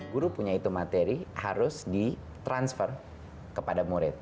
guru punya itu materi harus di transfer kepada murid